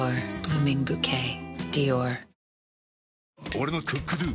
俺の「ＣｏｏｋＤｏ」！